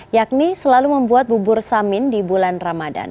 yakni selalu membuat bubur samin di bulan ramadan